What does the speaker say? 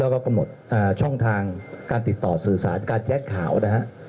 แล้วก็กำหนดช่องทางการติดต่อสื่อสารการแจ้งข่าวนะฮะ